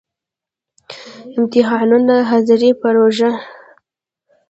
امتحانونه، ،حاضری، پروژی